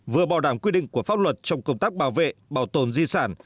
vừa bảo đảm quy định của pháp luật trong công tác bảo vệ bảo tồn di sản